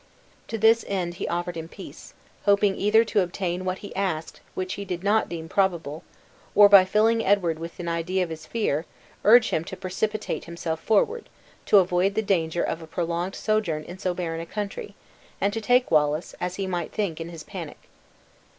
To this end he offered him peace, hoping either to obtain what he asked (which he did not deem probable), or, by filling Edward with an idea of his fear, urge him to precipitate himself forward, to avoid the danger of a prolonged sojourn in so barren a country, and to take Wallace, as he might think, in his panic.